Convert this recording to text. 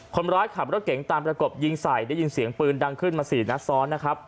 คนร้ายขับรถเก๋งตามประกบยิงใส่ได้ยินเสียงปืนดังขึ้นมา๔นัดซ้อนนะครับ